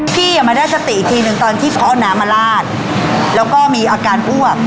พี่มาได้สติอีกทีหนึ่งตอนที่เขาเอาน้ำมาลาดแล้วก็มีอาการอ้วก